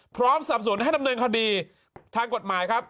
พร้อมสรรพสุนให้ดำเนินคดีทางกฎหมายครับ